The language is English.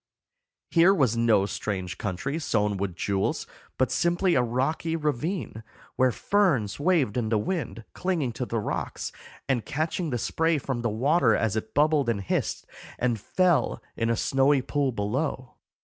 Here was no strange country sown with jewels, but simply a rocky ravine, where ferns waved in the wind, clinging to the rocks, and catching the spray from the water as it bubbled and hissed and fell in a snowy pool below.